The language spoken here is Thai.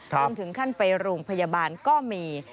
จนถึงขั้นไปโรงพยาบาลก็มี